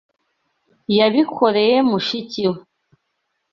Yabikoreye mushiki we.